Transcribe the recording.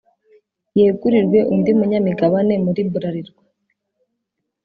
yegurirwe undi munyamigabane muri blarirwa